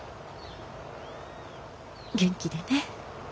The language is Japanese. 元気でね。